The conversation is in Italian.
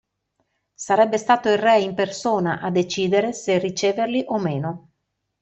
Sarebbe stato il Re in persona a decidere se riceverli o meno.